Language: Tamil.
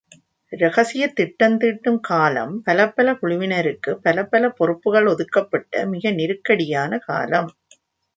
இரகசியத் திட்டம் தீட்டும் காலம் பலப்பல குழுவினருக்குப் பலப்பல பொறுப்புகள் ஒதுக்கப்பட்ட மிக தெருக்கடியான காலம்.